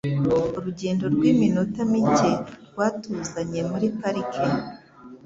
Urugendo rw'iminota mike rwatuzanye muri parike.